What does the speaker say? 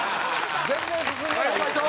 全然進んでないよ。